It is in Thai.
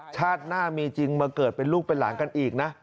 ชาติหน้ามีจริงมาเกิดเป็นลูกเป็นหลานกันอีกนะ